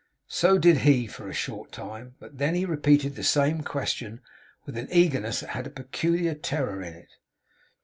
So did he for a short time; but then he repeated the same question with an eagerness that had a peculiar terror in it.